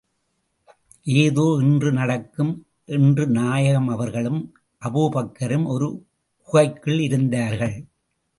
ஏதோ இன்று நடக்கும் என்று நாயகம் அவர்களும், அபூபக்கரும ஒரு குகைக்குள் இருந்தார்கள்.